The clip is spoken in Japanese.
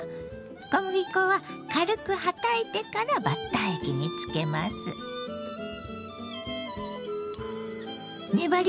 小麦粉は軽くはたいてからバッター液につけます。